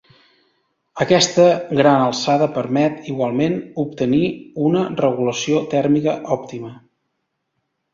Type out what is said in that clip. Aquesta gran alçada permet, igualment, obtenir una regulació tèrmica òptima.